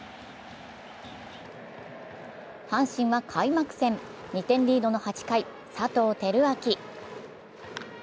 阪神は開幕戦、２点リードの８回佐藤輝明。